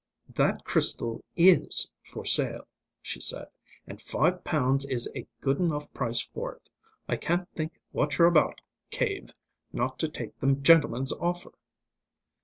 "That crystal is for sale," she said. "And five pounds is a good enough price for it. I can't think what you're about, Cave, not to take the gentleman's offer!"